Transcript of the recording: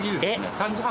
３時半。